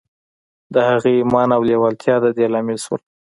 د هغه ايمان او لېوالتیا د دې لامل شول.